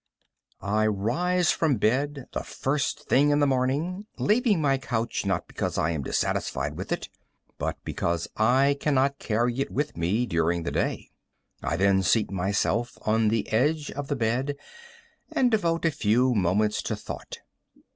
I rise from bed the first thing in the morning, leaving my couch not because I am dissatisfied with it, but because I cannot carry it with me during the day. I then seat myself on the edge of the bed and devote a few moments to thought.